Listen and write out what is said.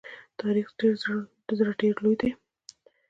د تاریخ زړه ډېر لوی دی.